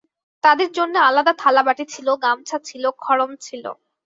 তাদের জন্যে আলাদা থালাবাটি ছিল, গামছা ছিল, খড়ম ছিল।